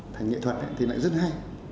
thành nghệ thuật thì lại rất hay